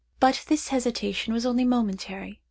But this hesitation was only momentary.